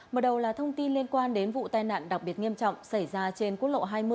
mở đầu là thông tin liên quan đến vụ tai nạn đặc biệt nghiêm trọng xảy ra trên quốc lộ hai mươi